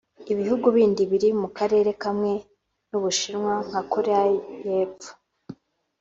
Ibihugu bindi biri mu Karere kamwe n’u Bushinwa nka Koreya y’Epfo